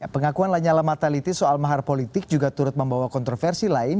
pengakuan lanyala mataliti soal mahar politik juga turut membawa kontroversi lain